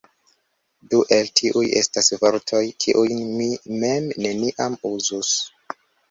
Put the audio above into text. Du el tiuj estas vortoj, kiujn mi mem neniam uzus.